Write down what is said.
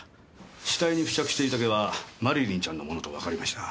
死体に付着していた毛はマリリンちゃんのものとわかりました。